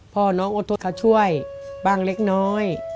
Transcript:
พ่อน้องอดทนเขาช่วยบ้างเล็กน้อย